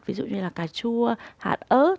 ví dụ như là cà chua hạt ớt